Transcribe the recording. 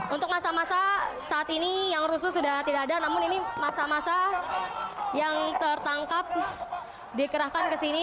untuk masa masa saat ini yang rusuh sudah tidak ada namun ini masa masa yang tertangkap dikerahkan ke sini